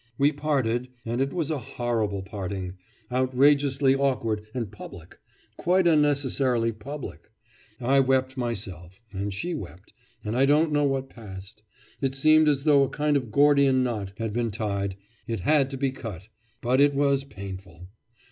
'We parted and it was a horrible parting outrageously awkward and public, quite unnecessarily public.... I wept myself, and she wept, and I don't know what passed.... It seemed as though a kind of Gordian knot had been tied. It had to be cut, but it was painful!